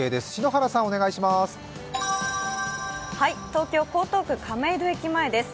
東京・江東区亀戸駅前です。